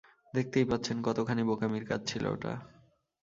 দেখতেই পাচ্ছেন কতখানি বোকামির কাজ ছিল ওটা!